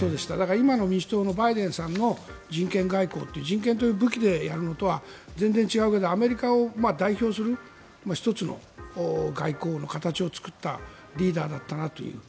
今の民主党のバイデンさんの人権外交という人権という武器でやるのとは全然違うけどアメリカを代表する１つの外交の形を作ったリーダーだったなという。